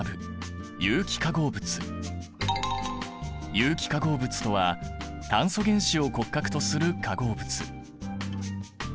有機化合物とは炭素原子を骨格とする化合物。